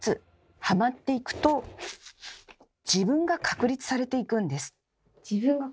ハマっていくと自分が確立されていくんです。